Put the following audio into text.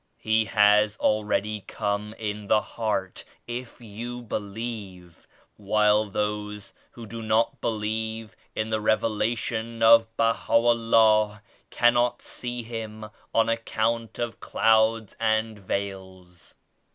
He has already come in the heart if you believe, while those who do not believe in the Revela tion of BahaVllah cannot see Him on account of clouds and veils.